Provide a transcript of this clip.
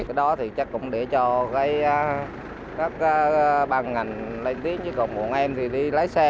cái đó thì chắc cũng để cho các bàn ngành lên tiếng chứ còn muộn em thì đi lái xe